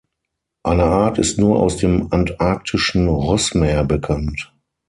Eine Art ist nur aus dem antarktischen Rossmeer bekannt.